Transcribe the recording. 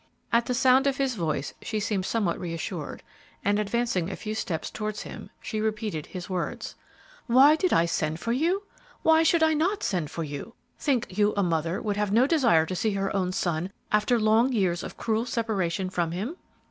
At the sound of his voice she seemed somewhat reassured, and advancing a few steps towards him, she repeated his words, "Why did I send for you? Why should I not send for you? Think you a mother would have no desire to see her own son after long years of cruel separation from him?"